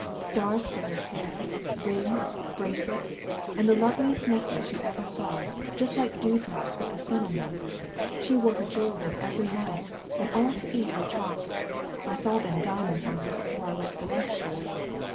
"Stars for her hair, rings, bracelets, and the loveliest necklace you ever saw — ^just like dewdrops with the sun on them. She wore her jewellery every night, and all to eat her chop. I saw them diamonds on her afore I went to the lecture."